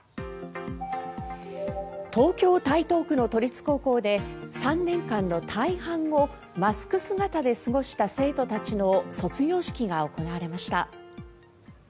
東京・台東区の都立高校で３年間の大半をマスク姿で過ごした生徒たちの卒業式が行われました。